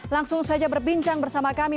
langsung saja berbincang bersama kami